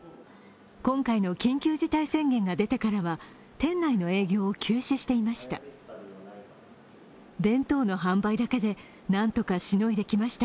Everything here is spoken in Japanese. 今回の緊急事態宣言が出てからは店内の営業を休止していました。